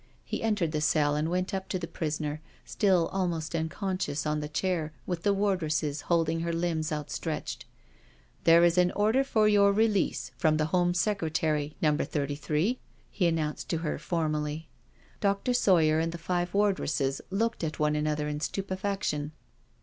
He entered the cell and went up to the prisoner, still almost unconscious on the chair, with the wardresses holding her limbs outstretched. " There is an order for your release from the Home Secretary, Number Thirty three/* he announced to her formally. IN THE PUNISHMENT CELL 291 Dr. Sawyer and the five wardresses looked at one another in stupefaction.